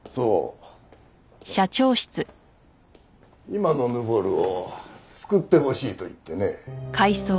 今のヌボルを救ってほしいと言ってね。